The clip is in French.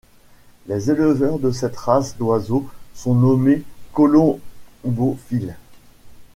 Les éleveurs de cette race d'oiseaux sont nommés colombophiles.